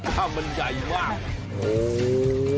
กลางมันใหญ่มาก